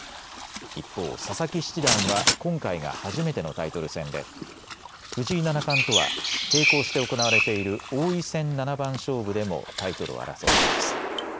一方、佐々木七段は今回が初めてのタイトル戦で藤井七冠とは並行して行われている王位戦七番勝負でもタイトルを争っています。